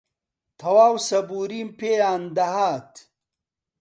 تەواو سەبووریم پێیان دەهات